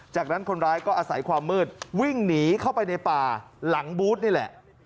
จากนั้นคนร้ายก็อาศัยความมืดวิ่งหนีเข้าไปในป่าหลังบูธนี่แหละ